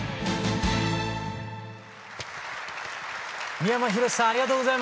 三山ひろしさんありがとうございました。